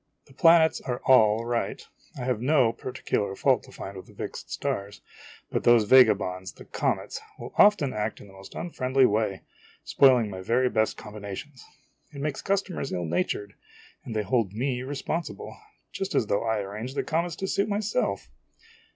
The planets are all right ; I have no particular fault to find with the fixed stars ; but those vagabonds, the comets, will often act in the most unfriendly way, spoiling my very best combinations. It makes customers ill natured, and they hold me responsible, just as though I arranged the comets to suit myself!